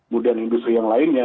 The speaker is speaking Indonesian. budaya industri yang lainnya